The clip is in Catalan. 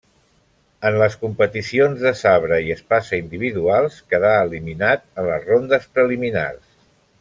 En les competicions de sabre i espasa individuals quedà eliminat en les rondes preliminars.